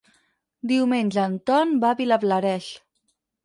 Diumenge en Ton va a Vilablareix.